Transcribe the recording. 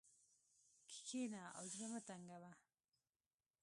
کښېنه او زړه مه تنګوه.